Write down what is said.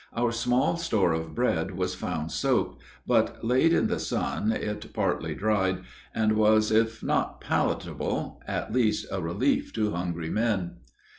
Our small store of bread was found soaked, but, laid in the sun, it partly dried, and was, if not palatable, at least a relief to hungry men.